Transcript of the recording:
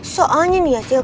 soalnya nih ya sih